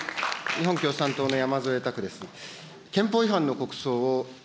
日本共産党の山添拓君。